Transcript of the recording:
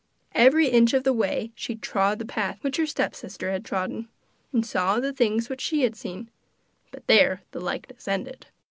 Every inch of the way she trod the path which her stepsister had trodden, and saw the things which she had seen; but there the likeness ended.